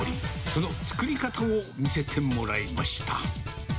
その作り方を見せてもらいました。